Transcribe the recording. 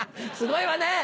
すごいわね！